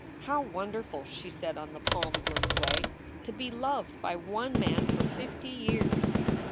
"How wonderful," she said on the palm gloomed way, "to be loved by one man for fifty years!"